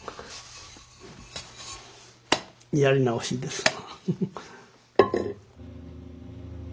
やり直しですわ。